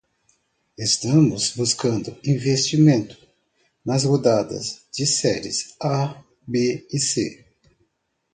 Estamos buscando investimento nas rodadas de Series A, B e C.